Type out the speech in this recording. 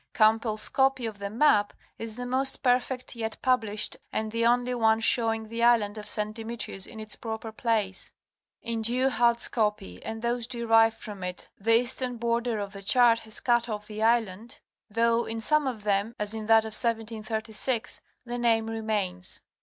Campbell's copy of the map is the most perfect yet published and the only one showing the island of St. Demetrius in its proper place. In Du Halde's copy and those derived from it the eastern border of the chart has cut off the island, though in some of them, as in that of 1736, the name remains.